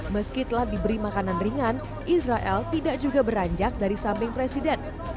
meski telah diberi makanan ringan israel tidak juga beranjak dari samping presiden